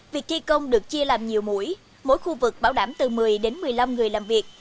việc thi công được chia làm nhiều mũi mỗi khu vực bảo đảm từ một mươi đến một mươi năm người làm việc